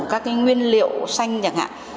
các nguyên liệu xanh